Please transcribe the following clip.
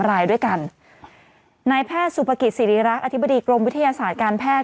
รายด้วยกันนายแพทย์สุภกิจศิริรักษ์อธิบดีกรมวิทยาศาสตร์การแพทย์